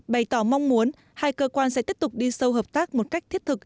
bày tỏ mong muốn hai cơ quan sẽ tiếp tục đi sâu hợp tác một cách thiết thực